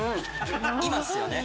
今っすよね？